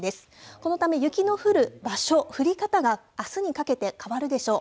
このため、雪の降る場所、降り方があすにかけて変わるでしょう。